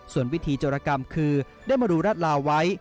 ส่วนวิธีโจรกรรมคือได้มาดูรัดลาวไว้